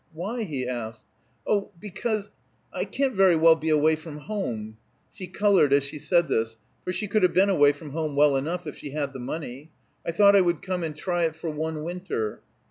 "Why?" he asked. "Oh, because I can't very well be away from home." She colored as she said this, for she could have been away from home well enough if she had the money. "I thought I would come and try it for one winter."